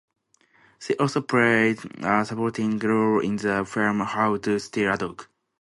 She also played a supporting role in the film "How to Steal a Dog".